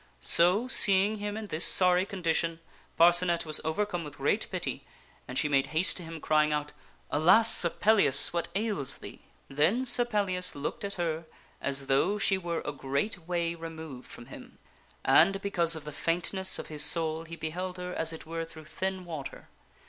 So, seeing him in this sorry con dition, Parcenet was overcome with great pity, and she made haste to him crying out, " Alas ! Sir Pellias, what ails thee ?" SIX PELLIAS CONFESSES HIS WOUND TO PARCENET 271 Then Sir Pellias looked at her as though she were a great way removed from him, and, because of the faintness of his soul, he beheld her, as it were, through thin water.